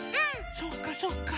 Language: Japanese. そうかそうか。